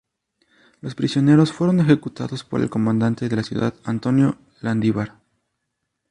Los prisioneros fueron ejecutados por el comandante de la ciudad, Antonio Landívar.